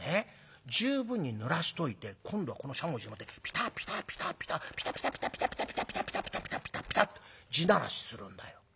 十分にぬらしといて今度はこのしゃもじでもってピタッピタッピタッピタッピタピタピタピタって地ならしするんだよ。